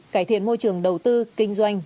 cải thiện môi trường đầu tư kinh doanh